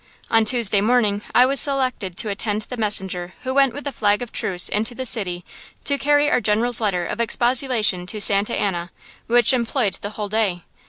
On Tuesday morning I was selected to attend the messenger who went with the flag of truce into the city to carry our General's letter of expostulation to Santa Anna, which employed the whole day.